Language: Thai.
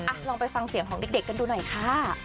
ลองไปฟังเสียงของเด็กกันดูหน่อยค่ะ